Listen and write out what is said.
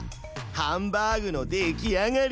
ハンバーグのできあがり！